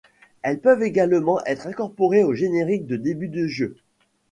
Elles peuvent également être incorporées au générique de début du jeu.